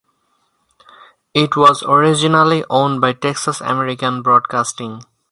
It was originally owned by Texas American Broadcasting.